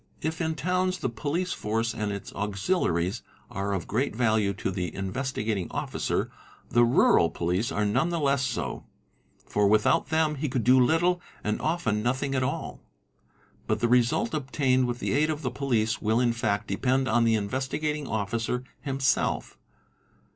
| If in towns the police force and its auxiliaries are of great value to the Investigating Officer, the rural police are none the less so, for without them he could do little and often nothing at all. But the result obtained with the aid of the police will in fact depend on the Investigating Officer himself.